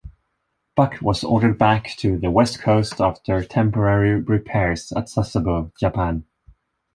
"Buck" was ordered back to the west coast after temporary repairs at Sasebo, Japan.